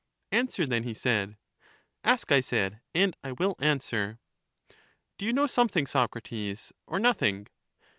Answer then, he said. Ask, I said, and I will answer. Do you know something, Socrates, or nothing?